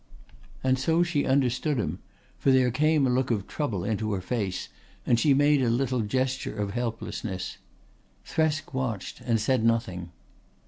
And so she understood him, for there came a look of trouble into her face and she made a little gesture of helplessness. Thresk watched and said nothing.